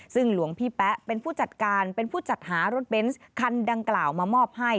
ซึ่งหลวงพี่แป๊ะเป็นผู้จัดการเป็นผู้จัดหารถเบนส์คันดังกล่าวมามอบให้